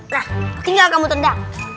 nah tinggal kamu tendang